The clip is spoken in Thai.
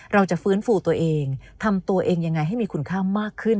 เราจะฟื้นฟูตัวเองทำตัวเองยังไงให้มีคุณค่ามากขึ้น